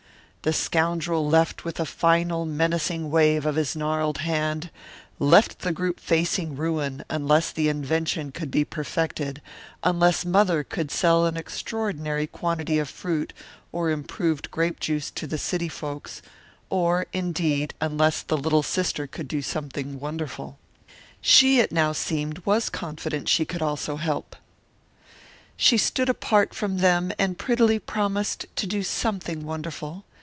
The scoundrel left with a final menacing wave of his gnarled hand; left the group facing ruin unless the invention could be perfected, unless Mother could sell an extraordinary quantity of fruit or improved grape juice to the city folks, or, indeed, unless the little sister could do something wonderful. She, it now seemed, was confident she also could help. She stood apart from them and prettily promised to do something wonderful.